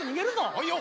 はいよ！